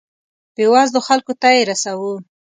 بیوزلو خلکو ته یې رسوو.